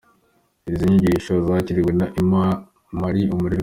Izi nyigisho zakiriwe na Emma-Marie Umurerwa.